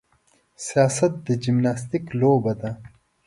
سیاست د جمناستیک لوبه ده.